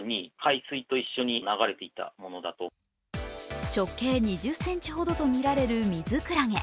専門家は直径２０ｃｍほどとみられるミズクラゲ。